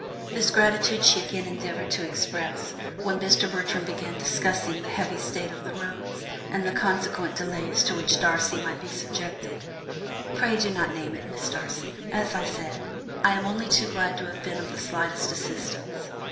This gratitude she again endeavoured to express, when Mr. Bertram began discussing the heavy state of the roads, and the consequent delays to which Darcy might be subjected. "Pray do not name it, Miss Darcy; as I said, I am only too glad to have been of the slightest assistance.